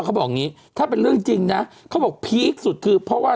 เขาบอกอย่างนี้ถ้าเป็นเรื่องจริงนะเขาบอกพีคสุดคือเพราะว่า